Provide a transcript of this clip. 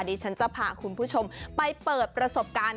ดิฉันจะพาคุณผู้ชมไปเปิดประสบการณ์